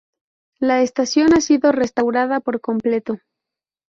La estación ha sido restaurada por completo.